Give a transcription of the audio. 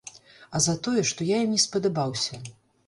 А за тое, што я ім не спадабаўся.